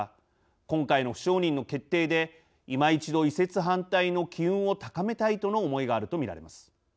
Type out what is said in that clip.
今回の不承認の決定でいま一度移設反対の機運を高めたいとの思いがあるとみられます。